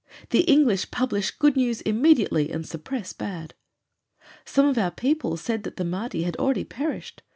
The English publish good news immediately and suppress bad. Some of our people said that the Mahdi had already perished.